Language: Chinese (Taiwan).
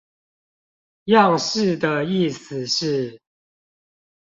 樣式的意思是？